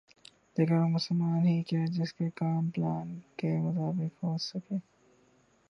لیکن وہ مسلمان ہی کیا جس کے کام پلان کے مطابق ہوسک